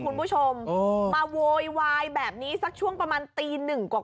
คุณผู้ชมมาโวยวายแบบนี้สักช่วงประมาณตีหนึ่งกว่า